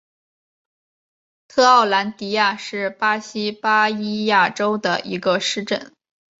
特奥兰迪亚是巴西巴伊亚州的一个市镇。